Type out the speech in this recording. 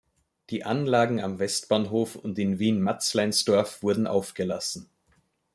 Die Anlagen am Westbahnhof und in Wien Matzleinsdorf wurden aufgelassen.